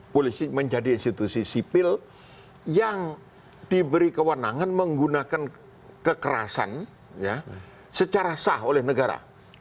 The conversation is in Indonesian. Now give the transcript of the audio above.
polisi menjadi institusi sipil yang diberi kewenangan menggunakan kekerasan secara sah oleh negara